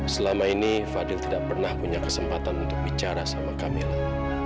selama ini fadil tidak pernah punya kesempatan untuk bicara sama camilla